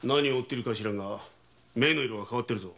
目の色が変わっているぞ。